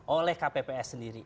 oleh kpps sendiri